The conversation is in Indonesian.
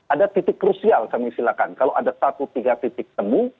ada titik krusial kami silakan kalau ada satu tiga titik temu